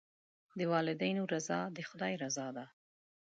د والدینو رضا د خدای رضا ده.